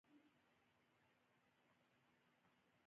او زما سپارښتنه به ورته وکړي.